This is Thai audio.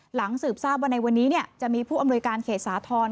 หลังสืบทราบว่าในวันนี้จะมีผู้อำนวยการเขตสาธรณ์